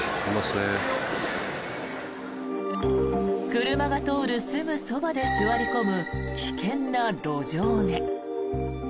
車が通るすぐそばで座り込む危険な路上寝。